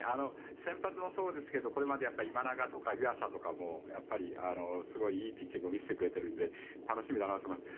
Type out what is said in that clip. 先発もそうですけどこれまで今永とか湯浅とかもすごいいいピッチングを見せてくれているので楽しみだなと思います。